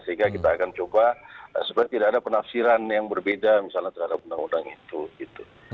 sehingga kita akan coba supaya tidak ada penafsiran yang berbeda misalnya terhadap undang undang itu gitu